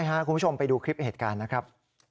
คุณผู้ชมไปดูคลิปเหตุการณ์นะครับ